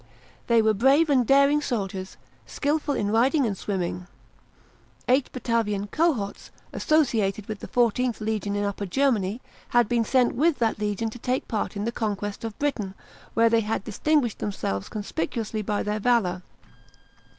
They were brave and daring soldiers, skilful in riding and swimming. Eight Batavian cohorts, associated with the XlVth legion in Upper Germany, ha«l been sent with thar legion to take part in the conquest of Britain, where they had distinguished themselves conspicuously by their valour.